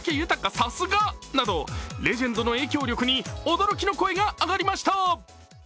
さすがなどレジェンドの影響力に驚きの声が上がりました。